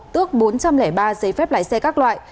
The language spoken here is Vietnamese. tước bốn trăm linh ba giấy phép lái xe các loại